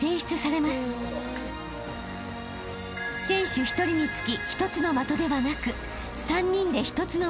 ［選手１人につき一つの的ではなく］